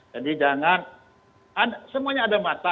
jadi jangan semuanya ada masalah